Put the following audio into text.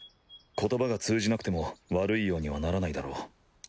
言葉が通じなくても悪いようにはならないだろう。